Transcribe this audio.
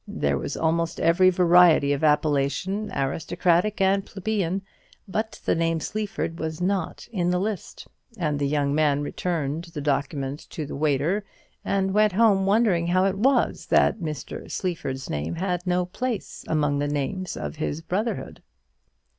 There was almost every variety of appellation, aristocratic and plebeian; but the name of Sleaford was not in the list: and the young men returned the document to the waiter, and went home wondering how it was that Mr. Sleaford's name had no place among the names of his brotherhood.